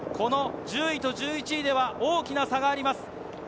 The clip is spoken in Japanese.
１０位と１１位では大きな差があります。